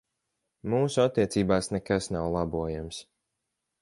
Mūsu attiecībās nekas nav labojams.